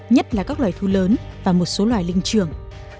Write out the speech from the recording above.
nhất là các loài thu lớn và một số loài linh trưởng